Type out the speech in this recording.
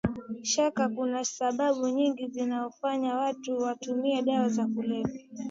shaka kuna sababu nyingi zinazowafanya watu watumie dawa za kulevya